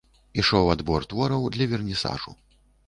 Ішоў адбор твораў для вернісажу.